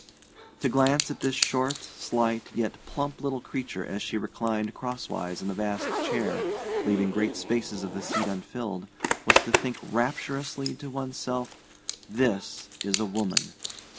To glance at this short, slight, yet plump little creature as she reclined crosswise in the vast chair, leaving great spaces of the seat unfilled, was to think rapturously to one's self: This is a woman.